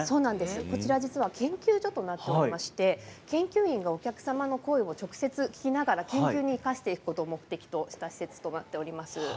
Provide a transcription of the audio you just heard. こちら実は研究所となっていて研究員がお客様の声を直接聞きながら研究に生かしていくことを目的とした施設となっております。